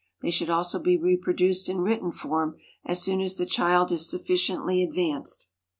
They should also be reproduced in written form as soon as the child is sufficiently advanced.